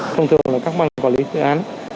thông thường là các băng quản lý dự án